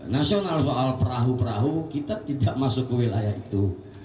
nasional soal perahu perahu kita tidak masuk ke wilayah itu